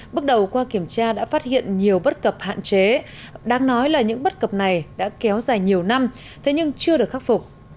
bước đầu qua kiểm tra đã phát hiện nhiều bất cập hạn chế đáng nói là những bất cập này đã kéo dài nhiều năm thế nhưng chưa được khắc phục